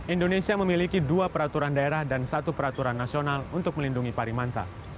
indonesia memiliki dua peraturan daerah dan satu peraturan nasional untuk melindungi parimanta